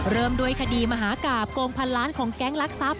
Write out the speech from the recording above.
เริ่มด้วยคดีมหากราบโกงพันล้านของแก๊งลักทรัพย